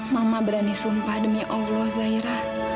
mama berani sumpah demi allah zaira